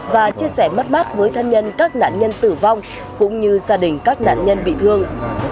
và chia sẻ mất mát với thân nhân các nạn nhân tử vong cũng như gia đình các nạn nhân bị thương